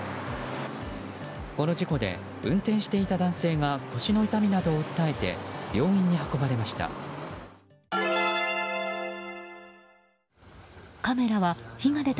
この事故で運転していた男性が腰の痛みなどを訴えて病院に運ばれました。